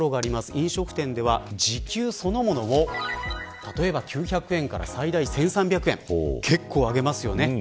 飲食店では、時給そのものを９００円から最大１３００円結構、上げますよね。